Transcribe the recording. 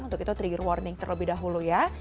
untuk itu trigger warning terlebih dahulu ya